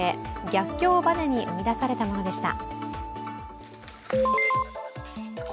逆境をバネに生み出されたものでした。